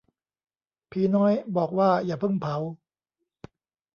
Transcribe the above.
ผีน้อยบอกว่าอย่าเพิ่งเผา